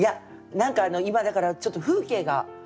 何か今だからちょっと風景が。